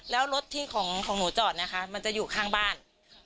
แล้วรถที่ของหนูจอดนะคะมันจะอยู่ข้างบ้าน